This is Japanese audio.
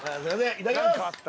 いただきます！